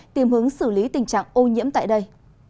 tìm hướng xử lý tình trạng ô nhiễm tại đây